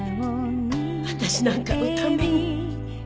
私なんかのために。